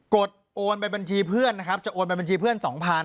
ดโอนไปบัญชีเพื่อนนะครับจะโอนไปบัญชีเพื่อน๒๐๐๐